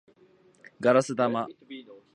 ガラス玉